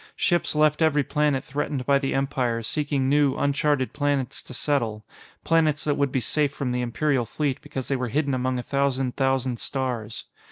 Ships left every planet threatened by the Empire, seeking new, uncharted planets to settle planets that would be safe from the Imperial Fleet because they were hidden among a thousand thousand stars.